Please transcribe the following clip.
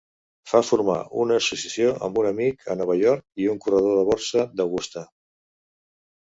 Fa formar una associació amb un amic a Nova York i un corredor de borsa d"Augusta.